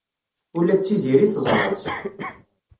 Ula d Tiziri teẓra-tt.